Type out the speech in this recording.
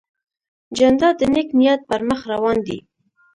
جانداد د نیک نیت پر مخ روان دی.